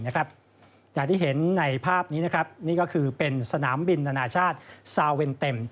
อย่างที่เห็นในภาพนี้นะครับนี่ก็คือเป็นสนามบินนานาชาติซาเวนเต็ม